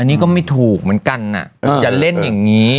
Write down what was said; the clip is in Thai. อันนี้ก็ไม่ถูกเหมือนกันจะเล่นอย่างนี้